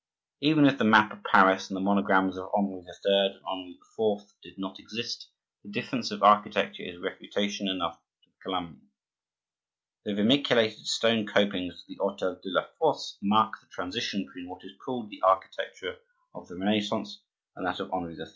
Even if the map of Paris, and the monograms of Henri III. and Henri IV. did not exist, the difference of architecture is refutation enough to the calumny. The vermiculated stone copings of the hotel de la Force mark the transition between what is called the architecture of the Renaissance and that of Henri III.